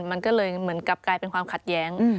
มันก็เลยเหมือนกลับกลายเป็นความขัดแย้ง